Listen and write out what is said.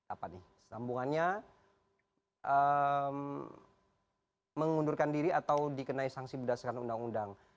apa nih sambungannya mengundurkan diri atau dikenai sanksi berdasarkan undang undang